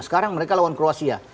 sekarang mereka lawan kroasia